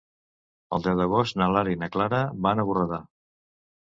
El deu d'agost na Lara i na Clara van a Borredà.